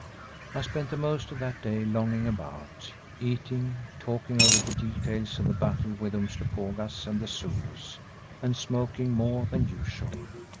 I spent the most of that day lounging about, eating, talking over the details of the battle with Umslopogaas and the Zulus and smoking more than usual.